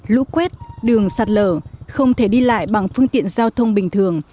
lũ quét đường sạt lở không thể đi lại bằng phương tiện giao thông bình thường